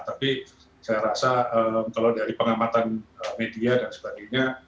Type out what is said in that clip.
tapi saya rasa kalau dari pengamatan media dan sebagainya